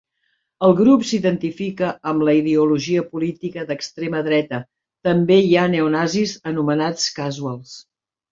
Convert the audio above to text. El grup s'identifica amb la ideologia política d'extrema dreta, també hi ha neonazis, anomenats Casuals.